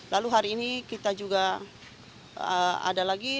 lalu hari ini kita juga ada lagi